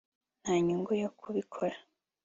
Nta nyungu yo kubikora